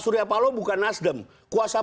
suryapalo bukan nasdem kuasa